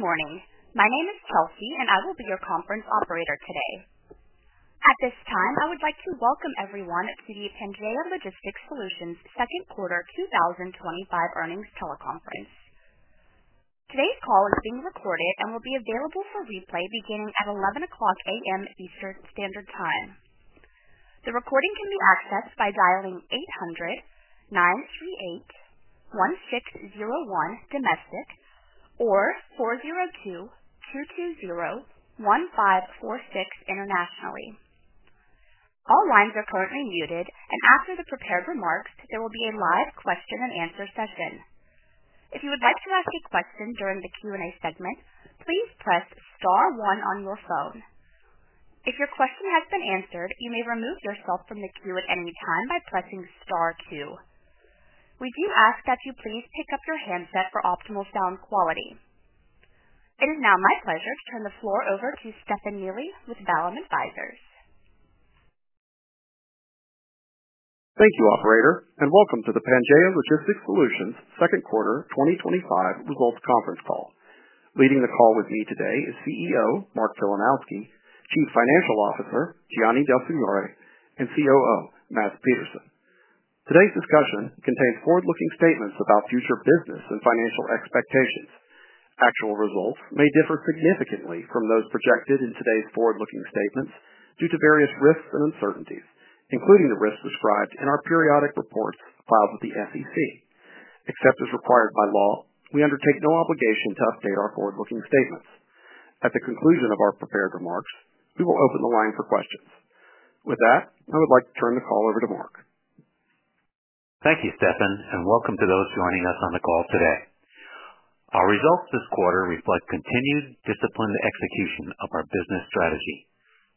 Good morning. My name is Chelsea, and I will be your conference operator today. At this time, I would like to welcome everyone to the Pangaea Logistics Solutions Second Quarter 2025 Earnings Teleconference. Today's call is being recorded and will be available for replay beginning at 11 o'clock A.M. Eastern Standard Time. The recording can be accessed by dialing 800-938-1601 domestic or 402-320-1546 internationally. All lines are currently muted, and after the prepared remarks, there will be a live question and answer session. If you would like to ask a question during the Q&A segment, please press Star one on your phone. If your question has been answered, you may remove yourself from the queue at any time by pressing Star two. We do ask that you please pick up your handset for optimal sound quality. It is now my pleasure to turn the floor over to Stefan Jiri with Bellam Advisors. Thank you, operator, and welcome to the Pangaea Logistics Solutions Second Quarter 2025 Results Conference Call. Leading the call with me today is CEO Mark Filanowski, Chief Financial Officer Gianni Del Signore, and COO Mads Petersen. Today's discussion contains forward-looking statements about future business and financial expectations. Actual results may differ significantly from those projected in today's forward-looking statements due to various risks and uncertainties, including the risks described in our periodic reports filed with the SEC. Except as required by law, we undertake no obligation to update our forward-looking statements. At the conclusion of our prepared remarks, we will open the line for questions. With that, I would like to turn the call over to Mark. Thank you, Stefan, and welcome to those joining us on the call today. Our results this quarter reflect continued disciplined execution of our business strategy.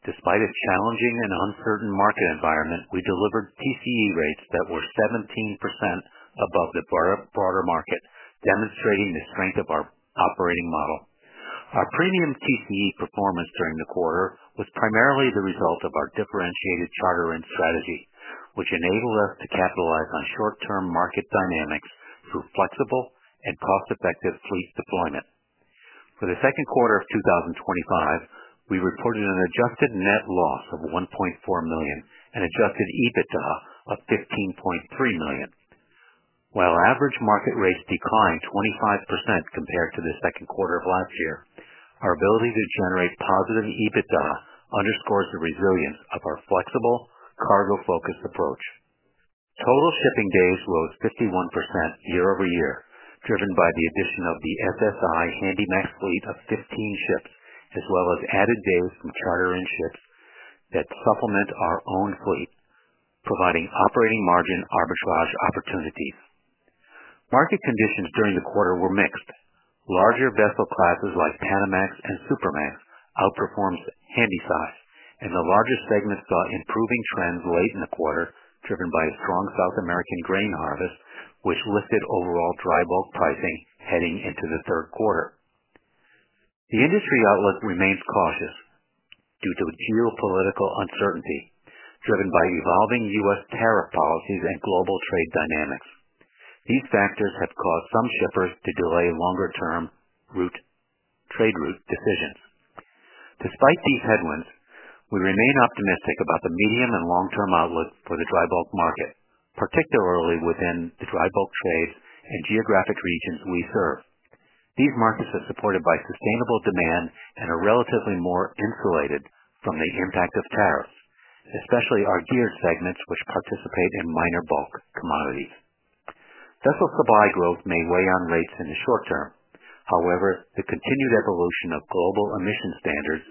Despite a challenging and uncertain market environment, we delivered TCE rates that were 17% above the broader market, demonstrating the strength of our operating model. Our premium TCE performance during the quarter was primarily the result of our differentiated charter range strategy, which enabled us to capitalize on short-term market dynamics through flexible and cost-effective fleet deployment. For the second quarter of 2025, we reported an adjusted net loss of $1.4 million and adjusted EBITDA of $15.3 million. While average market rates declined 25% compared to the second quarter of last year, our ability to generate positive EBITDA underscores the resilience of our flexible, cargo-focused approach. Total shipping days rose 51% year-over-year, driven by the addition of the SSI HandyMax fleet of 15 ships, as well as added days from charter-owned ships that supplement our own fleet, providing operating margin arbitrage opportunities. Market conditions during the quarter were mixed. Larger vessel classes like Panamax and Supermax outperformed HandySize, and the larger segments saw improving trends late in the quarter, driven by a strong South American grain harvest, which lifted overall dry bulk pricing heading into the third quarter. The industry outlook remains cautious due to geopolitical uncertainty, driven by evolving U.S. tariff policies and global trade dynamics. These factors have caused some shippers to delay longer-term trade route decisions. Despite these headwinds, we remain optimistic about the medium and long-term outlook for the dry bulk market, particularly within the dry bulk trade and geographic regions we serve. These markets are supported by sustainable demand and are relatively more insulated from the impact of tariffs, especially our geared segments, which participate in minor bulk commodities. Vessel supply growth may weigh on rates in the short term. However, the continued evolution of global emission standards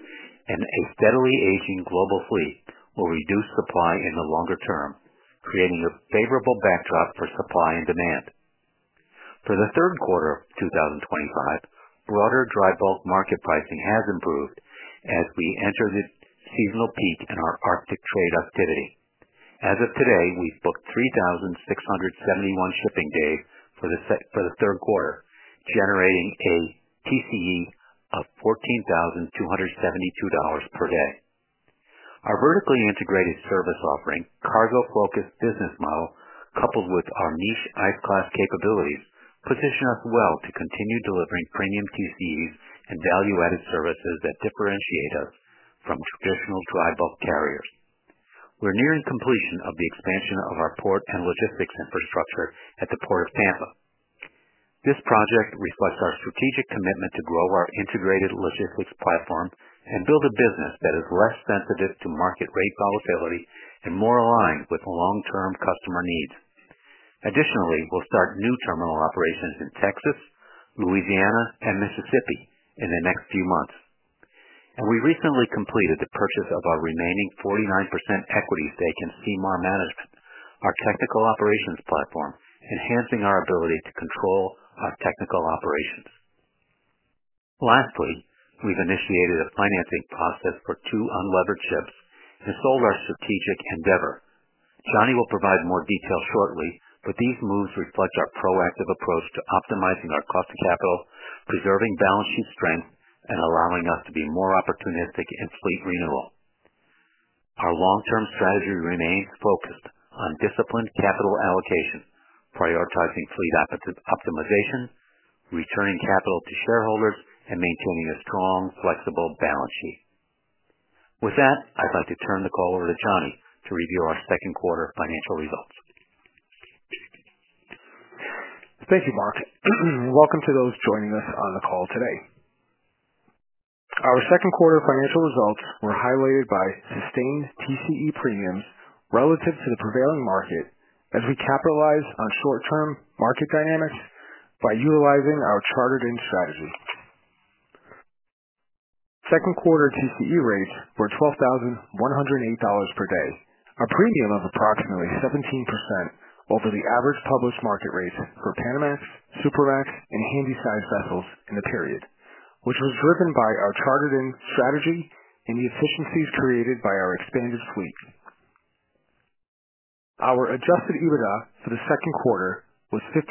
and a steadily aging global fleet will reduce supply in the longer term, creating a favorable backdrop for supply and demand. For the third quarter of 2025, broader dry bulk market pricing has improved as we enter the seasonal peak in our Arctic trade activity. As of today, we've booked 3,671 shipping days for the third quarter, generating a TCE of $14,272 per day. Our vertically integrated service offering, cargo-focused business model, coupled with our niche ICE class capabilities, position us well to continue delivering premium TCEs and value-added services that differentiate us from traditional dry bulk carriers. We're nearing completion of the expansion of our port and logistics infrastructure at the port of Tampa. This project reflects our strategic commitment to grow our integrated logistics platform and build a business that is less sensitive to market rate volatility and more aligned with long-term customer needs. Additionally, we'll start new terminal operations in Texas, Louisiana, and Mississippi in the next few months. We recently completed the purchase of our remaining 49% equity stake in Seymour Management, our technical operations platform, enhancing our ability to control our technical operations. Lastly, we've initiated a financing process for two unlevered ships to solve our Strategic Endeavor. Gianni will provide more details shortly, but these moves reflect our proactive approach to optimizing our cost of capital, preserving balance sheet strength, and allowing us to be more opportunistic in fleet renewal. Our long-term strategy remains focused on disciplined capital allocation, prioritizing fleet optimization, returning capital to shareholders, and maintaining a strong, flexible balance sheet. With that, I'd like to turn the call over to Gianni to review our second quarter financial results. Thank you, Mark. Welcome to those joining us on the call today. Our second quarter financial results were highlighted by sustained TCE premiums relative to the prevailing market as we capitalized on short-term market dynamics by utilizing our chartered-in strategy. Second quarter TCE rates were $12,108 per day, a premium of approximately 17% over the average published market rates for Panamax, Supermax, and HandySize vessels in the period, which was driven by our chartered-in strategy and the efficiencies created by our expanded fleet. Our adjusted EBITDA for the second quarter was $15.3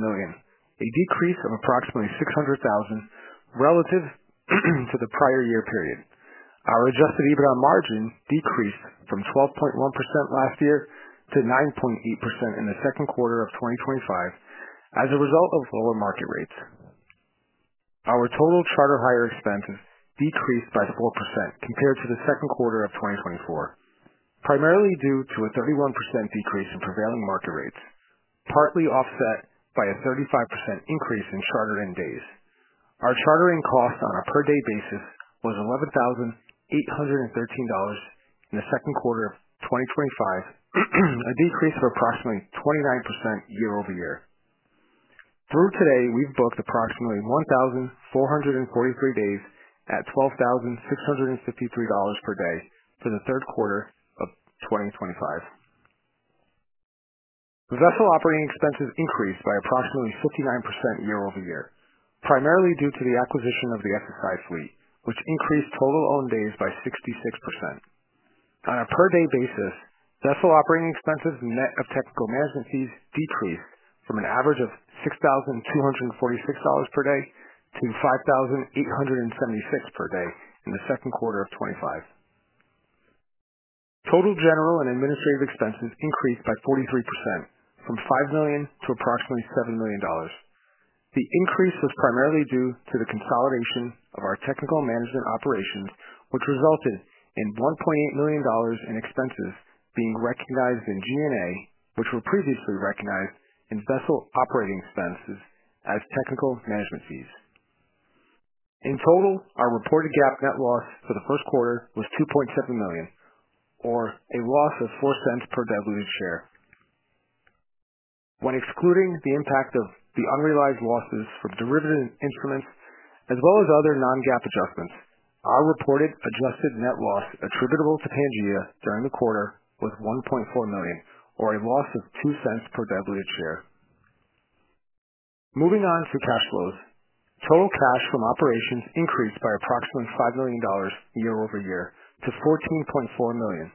million, a decrease of approximately $600,000 relative to the prior year period. Our adjusted EBITDA margin decreased from 12.1% last year to 9.8% in the second quarter of 2025 as a result of lower market rates. Our total charter hire expenses decreased by 4% compared to the second quarter of 2024, primarily due to a 31% decrease in prevailing market rates, partly offset by a 35% increase in chartered-in days. Our chartering cost on a per-day basis was $11,813 in the second quarter of 2025, a decrease of approximately 29% year-over-year. Through today, we've booked approximately 1,443 days at $12,653 per day for the third quarter of 2025. The vessel operating expenses increased by approximately 59% year-over-year, primarily due to the acquisition of the SSI HandyMax fleet, which increased total owned days by 66%. On a per-day basis, vessel operating expenses net of technical management fees decreased from an average of $6,246 per day to $5,876 per day in the second quarter of 2025. Total general and administrative expenses increased by 43% from $5 million to approximately $7 million. The increase was primarily due to the consolidation of our technical management operations, which resulted in $1.8 million in expenses being recognized in G&A, which were previously recognized in vessel operating expenses as technical management fees. In total, our reported GAAP net loss for the first quarter was $2.7 million, or a loss of $0.04 per diluted share. When excluding the impact of the unrealized losses for derivative instruments, as well as other non-GAAP adjustments, our reported adjusted net loss attributable to Pangaea Logistics Solutions during the quarter was $1.4 million, or a loss of $0.02 per diluted share. Moving on to cash flows, total cash from operations increased by approximately $5 million year-over-year to $14.4 million,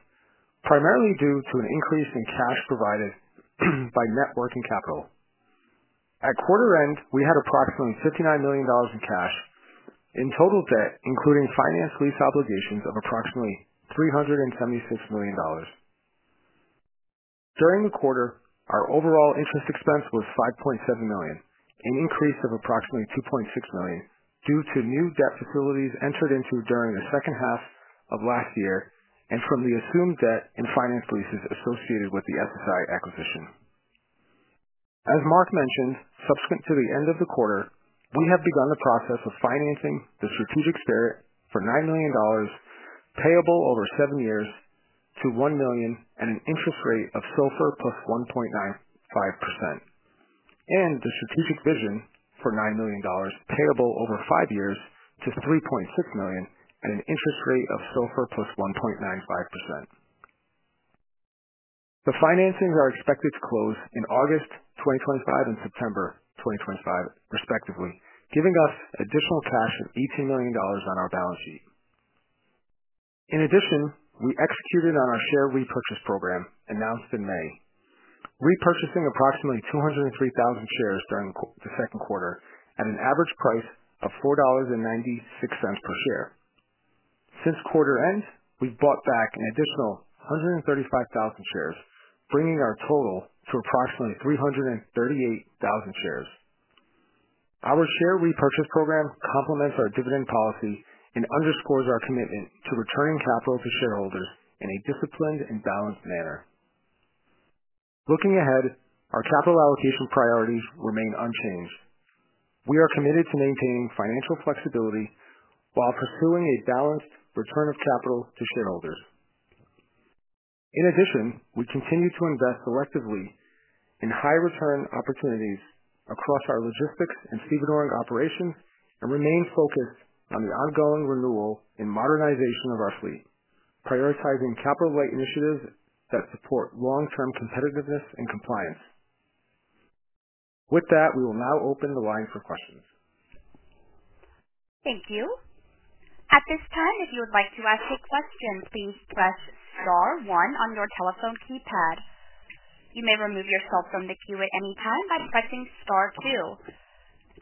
primarily due to an increase in cash provided by net working capital. At quarter end, we had approximately $59 million in cash and total debt, including finance lease obligations of approximately $376 million. During the quarter, our overall interest expense was $5.7 million, an increase of approximately $2.6 million due to the new debt facilities entered into during the second half of last year and from the assumed debt and finance leases associated with the SSI acquisition. As Mark mentioned, subsequent to the end of the quarter, we have begun the process of financing the Strategic Spirit for $9 million payable over seven years to $1 million at an interest rate of SOFR plus 1.95% and the Strategic Vision for $9 million payable over five years to $3.6 million at an interest rate of SOFR plus 1.95%. The financings are expected to close in August 2025 and September 2025, respectively, giving us additional cash of $18 million on our balance sheet. In addition, we executed on our share repurchase program announced in May, repurchasing approximately 203,000 shares during the second quarter at an average price of $4.96 per share. Since quarter end, we've bought back an additional 135,000 shares, bringing our total to approximately 338,000 shares. Our share repurchase program complements our dividend policy and underscores our commitment to returning capital to shareholders in a disciplined and balanced manner. Looking ahead, our capital allocation priorities remain unchanged. We are committed to maintaining financial flexibility while pursuing a balanced return of capital to shareholders. In addition, we continue to invest selectively in high-return opportunities across our logistics and seabed oil operations and remain focused on the ongoing renewal and modernization of our fleet, prioritizing capital-light initiatives that support long-term competitiveness and compliance. With that, we will now open the line for questions. Thank you. At this time, if you would like to ask a question, please press Star one on your telephone keypad. You may remove yourself from the queue at any time by pressing Star two.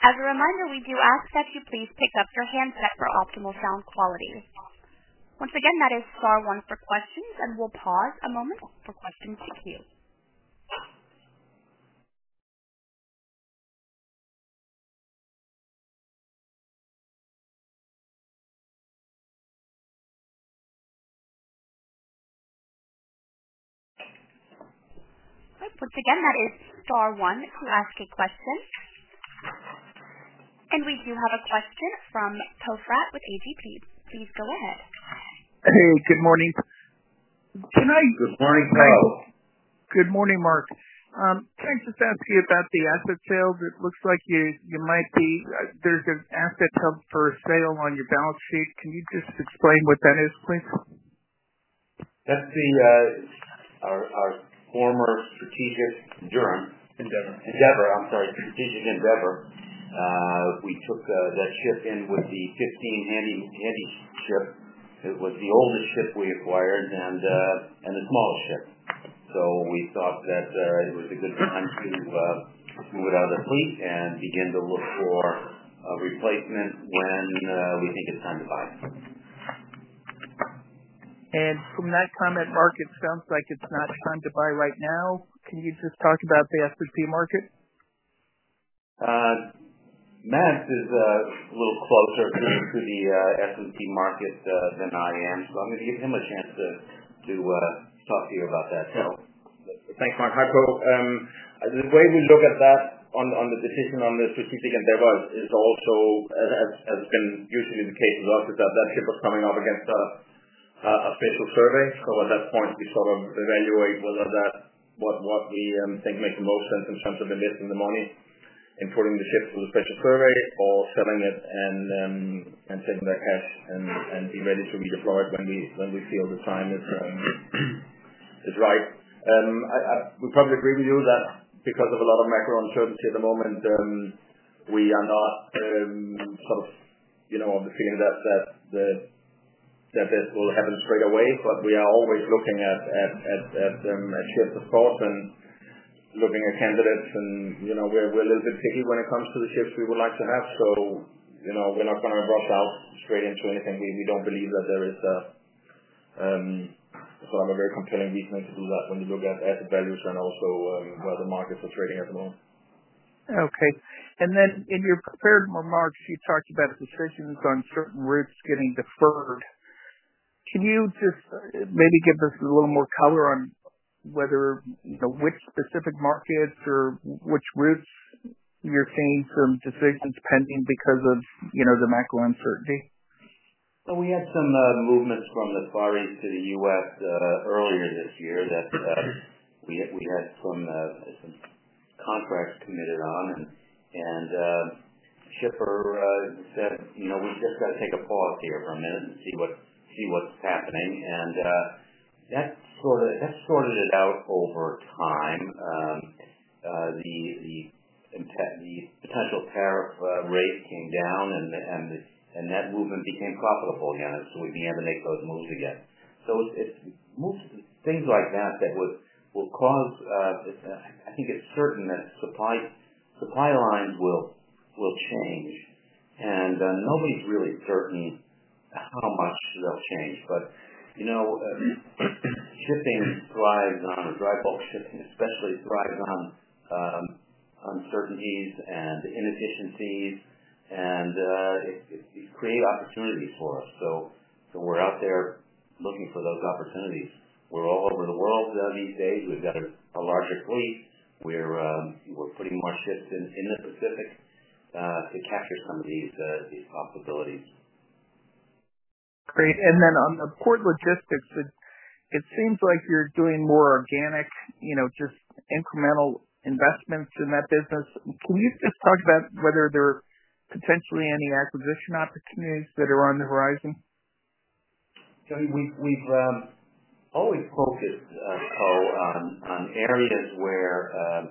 As a reminder, we do ask that you please pick up your handset for optimal sound quality. Once again, that is Star one for questions, and we'll pause a moment for questions to queue. Once again, that is star one to ask a question. We do have a question from Poe Fratt with A.G.P.. Please go ahead. Hello. Good morning. Good morning, Pell. Good morning, Mark. Thanks to Chelsea about the asset sales. It looks like you might be, there's an asset come for a sale on your balance sheet. Can you just explain what that is, please? That's our former Strategic Endeavor. We took that ship in with the 15 Handy ship. It was the oldest ship we acquired and the smallest ship. We thought that it was a good time to move it out of the fleet and begin to look for a replacement when we think it's time to buy it for me. From that comment, Mark, it sounds like it's not the time to buy right now. Can you just talk about the S&P market? Mads is a little closer to the S&P market than I am, so I'm going to give him a chance to talk to you about that sale. Thanks, Mark. Hi, Poe. The way we look at that on the decision on the Strategic Endeavor is also as has been usually the case as well because that ship was coming up against a fit for survey. At that point, we sort of evaluate what we think makes the most sense in terms of investing the money in putting the ship through the pressure survey or selling it and saying that yes, and be ready to redeploy it when we feel the time is right. We probably agree with you that because of a lot of macro uncertainty at the moment, we are not, sort of, on the feeling that the debt will have a greater wave, but we are always looking at ships of sorts and looking at candidates. You know, we're a little bit picky when it comes to the ships we would like to have. You know, we're not going to go straight into anything. We don't believe that there is a very compelling reason to do that when you look at the values and also where the markets are trading at the moment. Okay. In your prepared remarks, you talked about decisions on certain routes getting deferred. Can you just maybe give us a little more color on whether, you know, which specific markets or which routes you're seeing some decisions pending because of, you know, the macro uncertainty? We had some movements from the Far East to the U.S. earlier this year that we had some contracts committed on. Shipper said, you know, we'll take a pause here for a minute and see what's happening. That sorted it out over time. The potential tariff rate came down and that movement became profitable again. We began to make those moves again. It's most things like that that will cause this. I think it's certain that supply lines will change. Nobody's really certain how much they'll change. You know, shipping thrives on dry bulk shipping, especially thrives on uncertainties and inefficiencies. It creates opportunities for us. We're out there looking for those opportunities. We're all over the world these days. We've got a larger fleet. We're pretty much fixed in the Pacific to capture some of these possibilities. Great. On the port logistics, it seems like you're doing more organic, you know, just incremental investments in that business. Can you just talk about whether there are potentially any acquisition opportunities that are on the horizon? Actually, we've always focused, Po, on areas where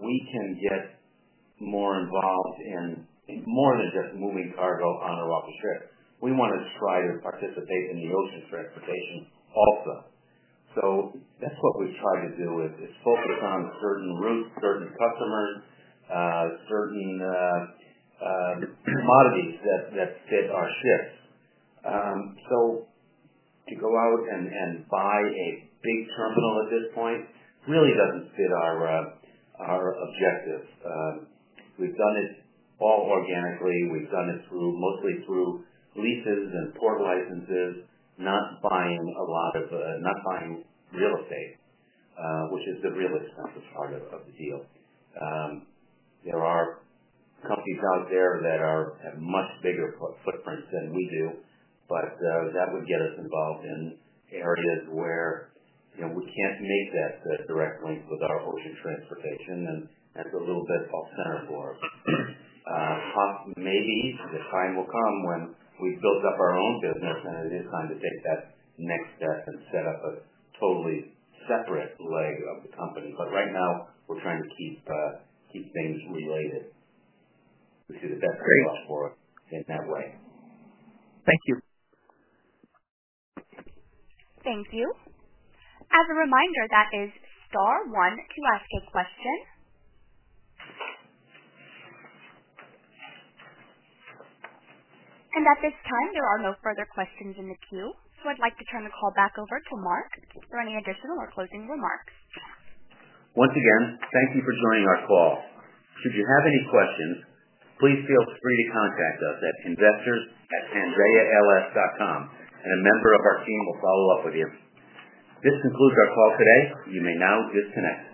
we can get more involved in more than just moving cargo on a local trip. We want to try to participate in the ocean transportation also. That's what we try to do, focus on certain routes, certain customers, certain commodities that fit our ships. To go out and buy a big terminal at this point really doesn't fit our objectives. We've done this all organically. We've done it mostly through leases and port licenses, not buying real estate, which is the real estate part of the deal. There are companies out there that have much bigger footprints than we do. That would get us involved in areas where we can't make that direct link with our ocean transportation, and that's a little bit false center for it. Possibly maybe the time will come when we build up our own business, and it is time to take that next step and set up a totally separate leg of the company. Right now, we're trying to keep things related. We see the best thing for us in that way. Thank you. Thank you. As a reminder, that is Star one to ask a question. At this time, there are no further questions in the queue. I would like to turn the call back over to Mark for any additional or closing remarks. Once again, thank you for joining our call. Should you have any questions, please feel free to contact us at investors@pangaeals.com, and a member of our team will follow up with you. This concludes our call today. You may now disconnect.